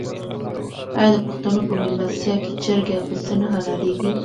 آیا د پښتنو په میلمستیا کې چرګ یا پسه نه حلاليږي؟